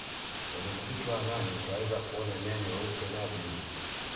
kwenye msitu wa amani utaweza kuona nyani weupe na bluu